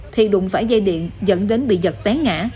thì đụng phải dây điện dẫn đến bị giật té ngã